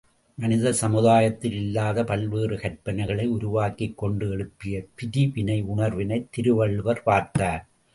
மனித சமுதாயத்தில் இல்லாத பல்வேறு கற்பனைகளை உருவாக்கிக் கொண்டு எழுப்பிய பிரிவினையுணர்வினைத் திருவள்ளுவர் பார்த்தார்.